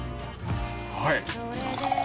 はい！